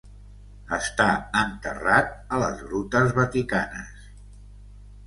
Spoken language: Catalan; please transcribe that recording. Està enterrat a les grutes vaticanes.